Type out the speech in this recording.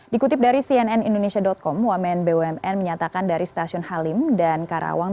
dikutip dari cnn indonesia com wamen bumn menyatakan dari stasiun halim dan karawang